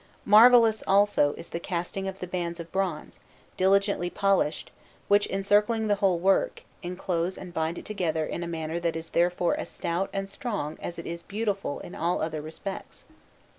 Marvellous, also, is the casting of the bands of bronze, diligently polished, which, encircling the whole work, enclose and bind it together in a manner that it is therefore as stout and strong as it is beautiful in all other respects.